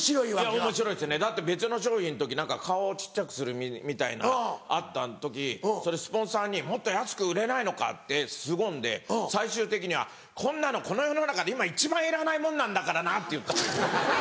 おもしろいですねだって別の商品の時何か顔を小っちゃくするみたいなあった時それスポンサーに「もっと安く売れないのか」ってすごんで最終的には「こんなのこの世の中で今一番いらないもんなんだからな」って言ったんですよ。